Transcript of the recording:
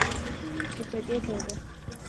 چې په دې توګه